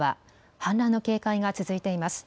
氾濫の警戒が続いています。